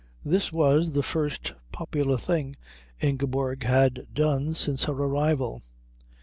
This was the first popular thing Ingeborg had done since her arrival.